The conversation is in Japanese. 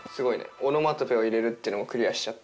「オノマトペを入れる」っていうのもクリアしちゃって。